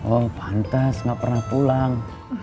oh pantas nggak pernah pulang